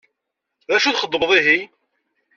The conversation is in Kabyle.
D acu txedmeḍ ihi?